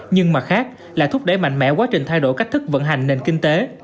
nhưng mặt khác là thúc đẩy mạnh mẽ quá trình thay đổi cách thức vận hành nền kinh tế